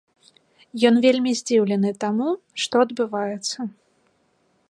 Ён вельмі здзіўлены таму, што адбываецца.